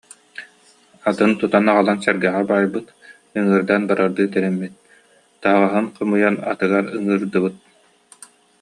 Атын тутан аҕалан сэргэҕэ баайбыт, ыҥыырдаан барардыы тэриммит, таһаҕаһын хомуйан атыгар ыҥыырдыбыт